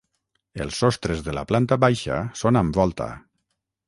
El sostres de la planta baixa són amb volta.